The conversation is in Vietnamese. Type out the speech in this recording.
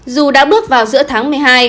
dù đã bước vào giữa tháng một mươi hai